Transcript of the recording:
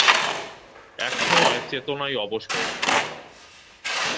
একসময় চেতনাই অবশ হয়ে যায়।